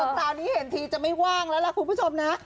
คราวนี้เห็นทีจะไม่ว่างแล้วล่ะคุณผู้ชมนะ